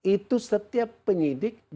itu setiap penyelidikan